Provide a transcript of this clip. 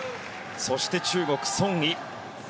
そして中国、ソン・イ。